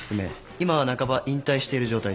今は半ば引退している状態です。